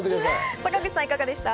坂口さん、いかがですか？